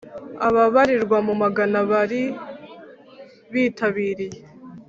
ababarirwa mu magana bari bitabiriye